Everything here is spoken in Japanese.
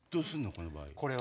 この場合。